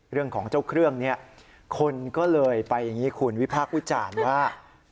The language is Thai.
เรื่องของเจ้าเครื่องนี้คนก็เลยไปอย่างนี้คุณวิพากษ์วิจารณ์ว่า